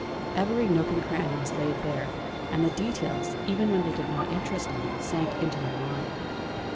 Every nook and cranny was laid bare; and the details, even when they did not interest me, sank into my mind.